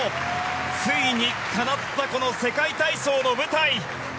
ついにかなったその世界体操の舞台。